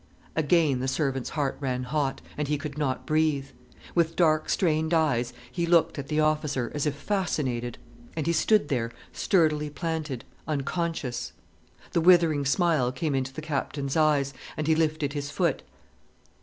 Again the servant's heart ran hot, and he could not breathe. With dark, strained eyes, he looked at the officer, as if fascinated. And he stood there sturdily planted, unconscious. The withering smile came into the Captain's eyes, and he lifted his foot.